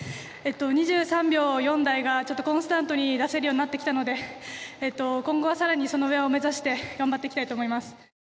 ２３秒４台がコンスタントに出せるようになってきたので今後はさらにその上を目指して頑張っていきたいと思います